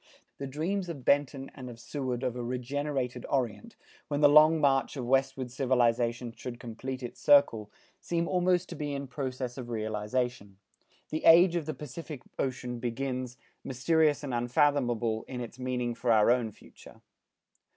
The dreams of Benton and of Seward of a regenerated Orient, when the long march of westward civilization should complete its circle, seem almost to be in process of realization. The age of the Pacific Ocean begins, mysterious and unfathomable in its meaning for our own future.